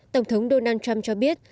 tổng thống donald trump cho biết